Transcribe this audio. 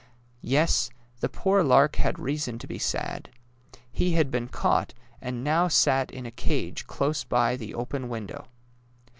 Yes, the poor lark had reason to be sad. He had been caught, and now sat in a cage close by the open window.